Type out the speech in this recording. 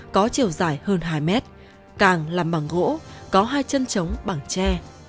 có chiều dài hơn hai mét càng làm bằng gỗ có hai chân trống bằng tre